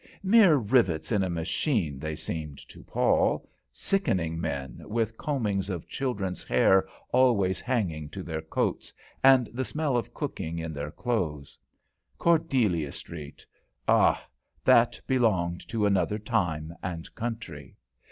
Mere rivets in a machine they seemed to Paul, sickening men, with combings of children's hair always hanging to their coats, and the smell of cooking in their clothes. Cordelia Street Ah, that belonged to another time and country!